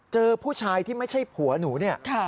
เจอผู้ชายที่ไม่ใช่ผัวหนูเนี่ย